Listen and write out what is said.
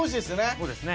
そうですね。